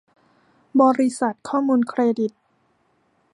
บริษัทข้อมูลเครดิต